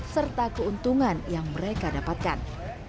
serta keuntungan yang mereka dapatkan